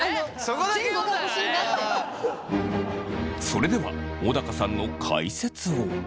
それでは小高さんの解説を。